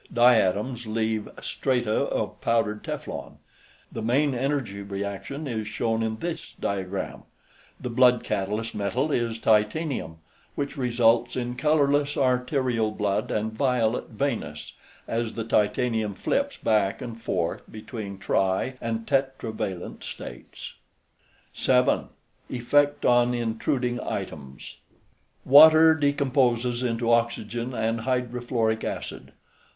Diatoms leave strata of powdered teflon. The main energy reaction is: H H H ||| C C C ...+ F_ > CF_ + HF ||| F F F The blood catalyst metal is titanium, which results in colorless arterial blood and violet veinous, as the titanium flips back and forth between tri and tetra valent states. 7. EFFECT ON INTRUDING ITEMS Water decomposes into oxygen and hydrofluoric acid.